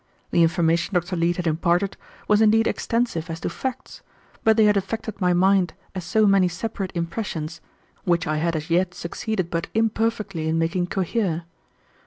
The information Dr. Leete had imparted was indeed extensive as to facts, but they had affected my mind as so many separate impressions, which I had as yet succeeded but imperfectly in making cohere.